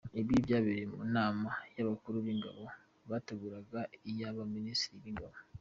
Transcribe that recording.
Ibi byabereye mu nama y’abakuru b’ingabo yateguraga iy’aba minisitiri b’ingabo.